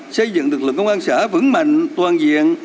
xây dựng lực lượng công an xã vững mạnh toàn diện